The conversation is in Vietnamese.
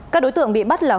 các đối tượng bị bắt là